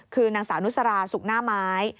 คือนางสาวนุสราสุกหน้าไม้